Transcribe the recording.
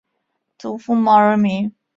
祖父毛仁民。